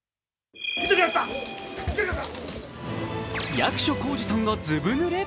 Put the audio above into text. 役所広司さんがずぶぬれ？